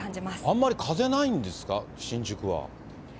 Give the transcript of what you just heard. あんまり風ないんですか、新宿は。